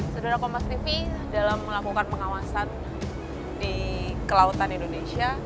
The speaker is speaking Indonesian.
sudah pampasifik dalam melakukan pengawasan di kelautan indonesia